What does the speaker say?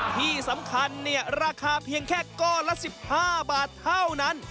ที่สำคัญเนี่ยราคาเพียงแค่ก้อนละ๑๕บาทเท่านั้น